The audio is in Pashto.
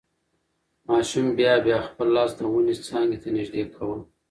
ماشوم بیا بیا خپل لاس د ونې څانګې ته نږدې کاوه.